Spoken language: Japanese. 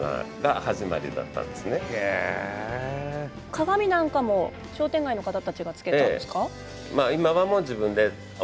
鏡なんかも商店街の方たちが付けたんですか？